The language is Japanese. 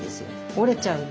折れちゃうんで。